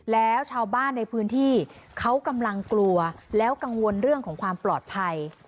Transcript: แล้วชาวบ้านในพื้นที่เขากำลังกลัวแล้วกังวลเรื่องของความปลอดภัย